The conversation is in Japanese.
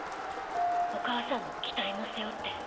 お母さんの期待も背負って。